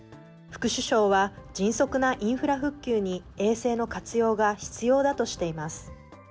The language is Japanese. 副首相は、迅速なインフラ復旧に衛星の活用が必要だとしています。